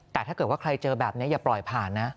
แต่ถ้าเกิดว่าใครเจอแบบนี้อย่าปล่อยผ่านนะ